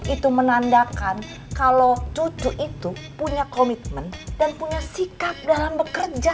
itu menandakan kalau cucu itu punya komitmen dan punya sikap dalam bekerja